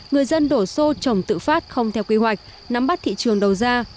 người dân đổ xô trồng tự phát không theo quy hoạch nắm bắt thị trường đầu ra